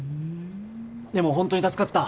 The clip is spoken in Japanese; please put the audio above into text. でも本当に助かった。